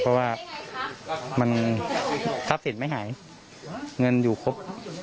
เพราะว่ามันทรัพย์สินไม่หายเงินอยู่ครบ